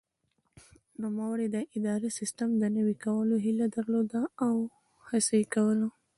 نوموړي د اداري سیسټم د نوي کولو هیله درلوده او هڅه یې وکړه.